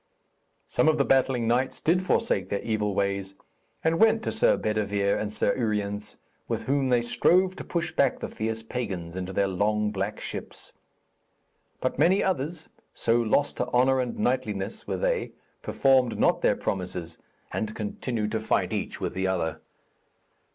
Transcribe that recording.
Some of the battling knights did forsake their evil ways, and went to Sir Bedevere and Sir Uriens, with whom they strove to push back the fierce pagans into their long black ships. But many others, so lost to honour and knightliness were they, performed not their promises, and continued to fight each with the other.